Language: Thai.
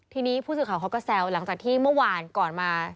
ทีนี้ผู้สื่อข่าวเขาก็แซวหลังจากที่เมื่อวานก่อนมา